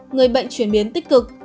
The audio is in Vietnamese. người bệnh chuyển biến tích cực